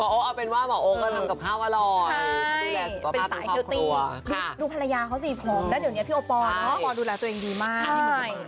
รูปภรรยาของเขาสีผมแล้วเดี๋ยวพี่โอปอลน้องพ่อดูแลตัวเองดีมาก